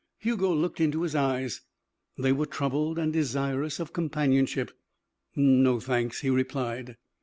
Hugo looked into his eyes. They were troubled and desirous of companionship. "No, thanks," he replied.